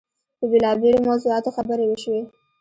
په بېلابېلو موضوعاتو خبرې وشوې.